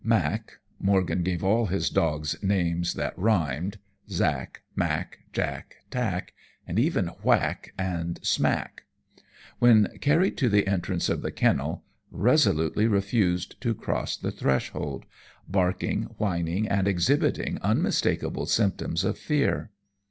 Mack (Morgan gave all his dogs names that rhymed Zack, Mack, Jack, Tack, and even Whack and Smack), when carried to the entrance of the kennel, resolutely refused to cross the threshold, barking, whining, and exhibiting unmistakable symptoms of fear.